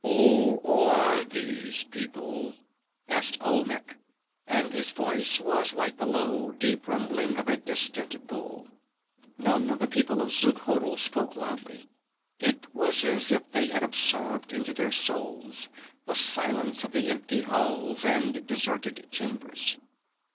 "Who are these people?" asked Olmec, and his voice was like the low, deep rumble of a distant bull. None of the people of Xuchotl spoke loudly. It was as if they had absorbed into their souls the silence of the empty halls and deserted chambers.